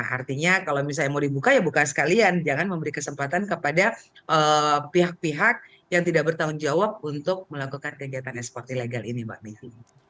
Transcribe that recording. artinya kalau misalnya mau dibuka ya buka sekalian jangan memberi kesempatan kepada pihak pihak yang tidak bertanggung jawab untuk melakukan kegiatan ekspor ilegal ini mbak may